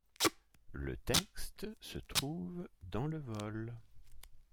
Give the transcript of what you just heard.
Le texte se trouve dans le vol.